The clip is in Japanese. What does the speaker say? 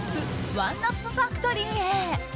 ワンナップ・ファクトリーへ。